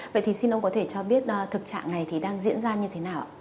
vậy thì xin ông có thể cho biết thực trạng này đang diễn ra như thế nào